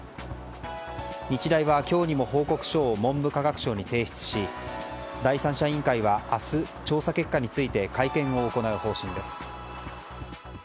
日大は、今日にも報告書を文部科学省に提出し第三者委員会は、明日調査結果について会見を行う方針です。